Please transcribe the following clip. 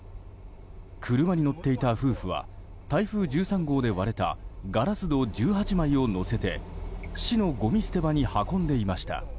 車に乗っていた夫婦は台風１３号で割れたガラス戸１８枚を載せて市のごみ捨て場に運んでいました。